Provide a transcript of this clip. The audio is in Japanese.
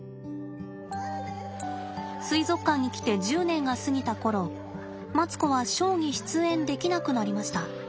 水族館に来て１０年が過ぎた頃マツコはショーに出演できなくなりました。